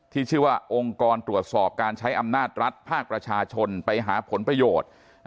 ที่ชื่อว่าองค์กรตรวจสอบการใช้อำนาจรัฐภาคประชาชนไปหาผลประโยชน์